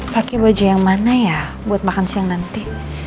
pakai baju yang mana ya buat makan siang nanti